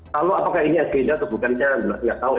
kalau apakah ini agenda atau bukan saya nggak tahu